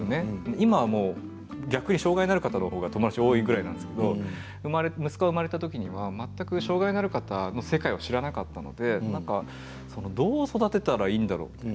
今はもう逆に障害のある方のほうが友達が多いぐらいなんですけど息子が生まれたときには全く障害がある方の世界を知らなかったのでどう育てたらいいんだろう。